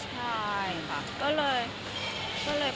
ใช่ค่ะก็เลย